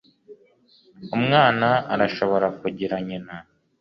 umwana arashobora kugira nyina